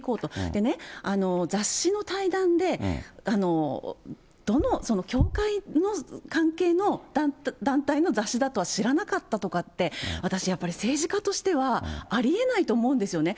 でね、雑誌の対談で、どの、教会の関係の団体の雑誌だとは知らなかったとかって、私やっぱり政治家としては、ありえないと思うんですよね。